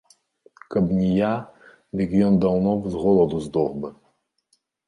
Каб не я, дык ён даўно з голаду здох бы.